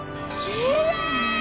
きれい！